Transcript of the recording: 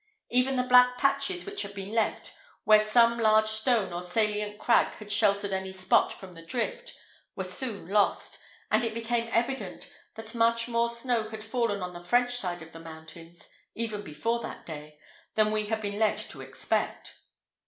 Even the black patches which had been left, where some large stone or salient crag had sheltered any spot from the drift, were soon lost, and it became evident that much more snow had fallen on the French side of the mountains, even before that day, than we had been led to expect.